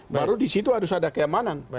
baru di situ harus ada keamanan